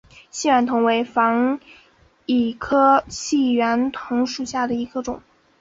细圆藤为防己科细圆藤属下的一个种。